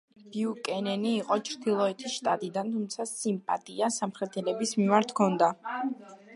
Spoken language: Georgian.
ბიუკენენი იყო ჩრდილოეთის შტატიდან, თუმცა სიმპატია სამხრეთელების მიმართ ჰქონდა.